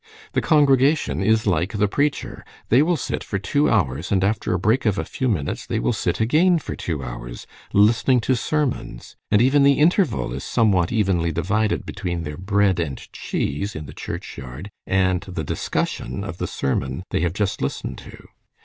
"The congregation is like the preacher. They will sit for two hours, and after a break of a few minutes they will sit again for two hours, listening to sermons; and even the interval is somewhat evenly divided between their bread and cheese in the churchyard and the discussion of the sermon they have just listened to.